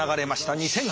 ２００８年。